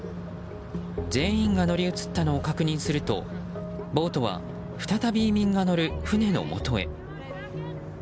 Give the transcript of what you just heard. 全員が乗り移ったのを確認するとボートは再び移民が乗る船のもとへ。